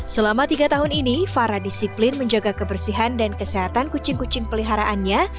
selama tiga tahun ini farah disiplin menjaga kebersihan dan kesehatan kucing kucing peliharaannya